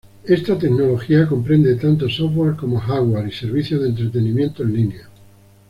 Esta tecnología comprenden tanto software como hardware y servicios de entretenimiento en línea.